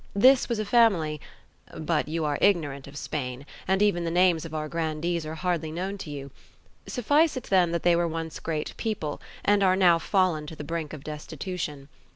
This was a family—but you are ignorant of Spain, and even the names of our grandees are hardly known to you; suffice it, then, that they were once great people, and are now fallen to the brink of destitution.